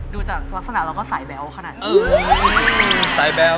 ดูจากลักษณะเราก็สายแบ๊วขนาดนี้